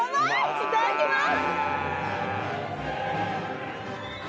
いただきます！